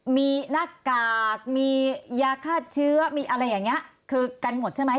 มีหน้ากากมียาฆ่าเชื้อมีอะไรอย่างนี้คือกันหมดใช่ไหม